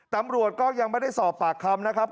ตำรวจก็ยังไม่ได้สอบปากคำนะครับ